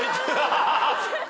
ハハハハ！